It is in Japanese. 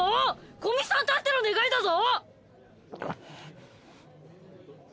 古見さんたっての願いだぞ！